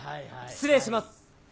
失礼します。